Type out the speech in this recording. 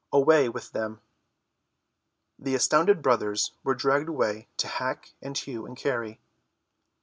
Away with them." The astounded brothers were dragged away to hack and hew and carry.